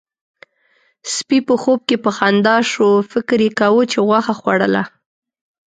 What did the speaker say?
سپي په خوب کې په خندا شو، فکر يې کاوه چې غوښه خوړله.